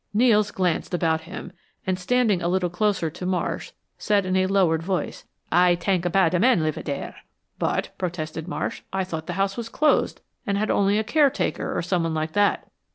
Nels glanced about him, and standing a little closer to Marsh, said in a lowered, voice, "Aye tenk bad men live dere." "But," protested Marsh, "I thought the house was closed, and had only a caretaker, or someone like that?"